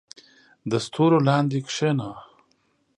• د ستورو لاندې کښېنه.